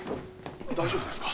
大丈夫ですか？